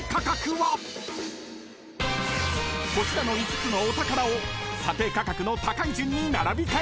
［こちらの５つのお宝を査定価格の高い順に並び替えていただきます］